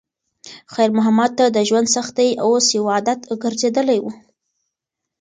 خیر محمد ته د ژوند سختۍ اوس یو عادت ګرځېدلی و.